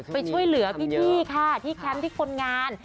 ไปช่วยเหลือพี่ค่ะที่แคมป์ที่คนงาน